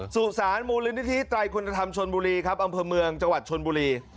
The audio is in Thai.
สุสานมูลนิธิไตรคุณธรรมชนบุรีครับอำเภอเมืองจังหวัดชนบุรี